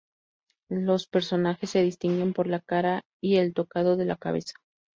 Los personajes se distinguen por la cara y el tocado de la cabeza.